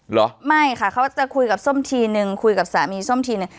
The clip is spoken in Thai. เหรอไม่ค่ะเขาจะคุยกับส้มทีนึงคุยกับสามีส้มทีนึง